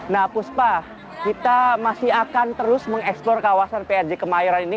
nah puspa kita masih akan terus mengeksplor kawasan prj kemayoran ini